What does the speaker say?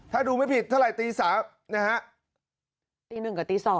ถ้าดูไม่ผิดเท่าไหร่ตี๓นะฮะตี๑กับตี๒